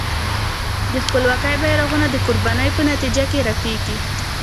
د خپلواکۍ بېرغونه د قربانۍ په نتیجه کې رپېږي.